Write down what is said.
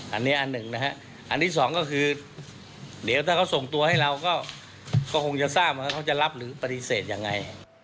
อันนี้อันหนึ่งนะฮะอันที่สองก็คือเดี๋ยวถ้าเขาส่งตัวให้เราก็คงจะทราบว่าเขาจะรับหรือปฏิเสธยังไง